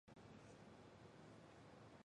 欧鸽为鸠鸽科鸽属的鸟类。